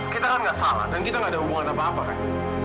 kita kan nggak salah dan kita gak ada hubungan apa apa kan